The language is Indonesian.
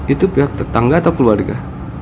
itu pihak tetangga atau keluarga